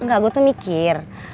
enggak gua tuh mikir